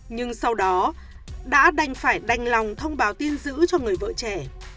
nhưng sau đó đã đành phải đành lòng thông báo tin giữ cho người vợ trẻ